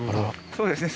そうですね。